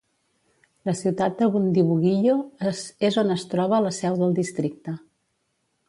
La ciutat de Bundibugyo és on es troba la seu del districte.